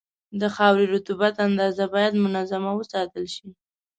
د خاورې رطوبت اندازه باید منظمه وساتل شي.